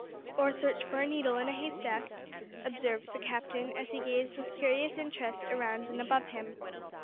"Or search for a needle in a haystack," observed the Captain, as he gazed with curious interest around and above him.